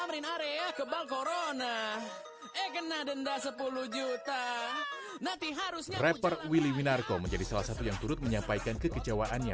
rapper willy winarko menjadi salah satu yang turut menyampaikan kekecewaannya